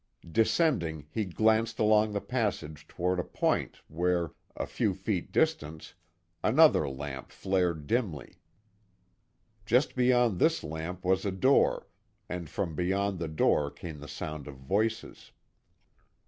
Descending, he glanced along the passage toward a point where, a few feet distant, another lamp flared dimly. Just beyond this lamp was a door, and from beyond the door came the sound of voices.